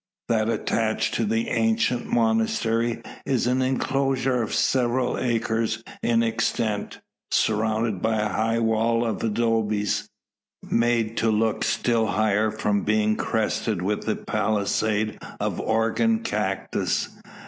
That attached to the ancient monastery is an enclosure of several acres in extent, surrounded by a high wall of adobes; made to look still higher from being crested with a palisade of the organ cactus.